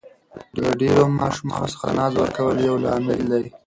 له ډېرو ماشومانو څخه ناز ورکول یو لامل دی.